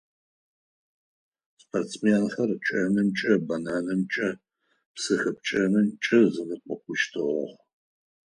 Спортсменхэр чъэнымкӀэ, бэнэнымкӀэ, псы хэпкӀэнымкӀэ зэнэкъокъущтыгъэх.